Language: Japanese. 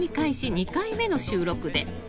２回目の収録で。